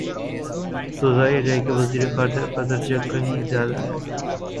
تو ظاہر ہے کہ وزیر خارجہ کا درجہ کہیں زیادہ ہے۔